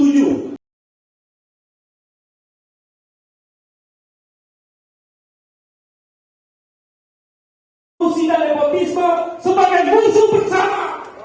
masih tidak ada propisma sebagai musuh bersama